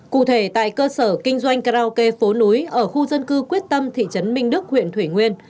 cụ thể tại cơ sở kinh doanh karaoke phố núi ở khu dân cư quyết tâm thị trấn minh đức huyện thủy nguyên